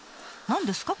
何ですか？